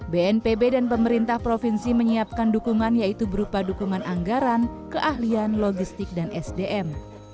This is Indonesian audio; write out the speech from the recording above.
bnpb dan pemerintah provinsi menyiapkan dukungan yaitu berupa dukungan anggaran keahlian logistik dan sdm